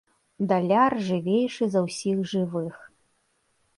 Даляр жывейшы за ўсіх жывых.